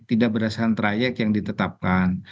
tidak berdasarkan trayek yang ditetapkan